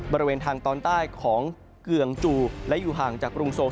บริเวณทางตอนใต้ของเกืองจูและอยู่ห่างจากกรุงโซ